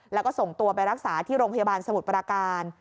แล้วก็ส่งตัวไปรักษาที่โรงพยาบาลสมุทรปราการ